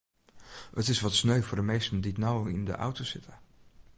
It is wat sneu foar de minsken dy't no yn de auto sitte.